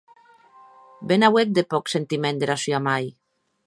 Be n’auec de pòc sentiment dera sua mair!